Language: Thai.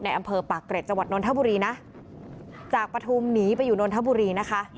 อำเภอปากเกร็จจังหวัดนทบุรีนะจากปฐุมหนีไปอยู่นนทบุรีนะคะ